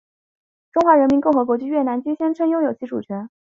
中华人民共和国及越南均宣称拥有其主权。